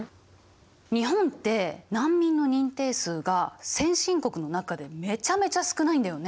日本って難民の認定数が先進国の中でめちゃめちゃ少ないんだよね。